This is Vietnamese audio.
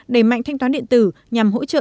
đẩy mạnh thanh toán điện tử nhằm hỗ trợ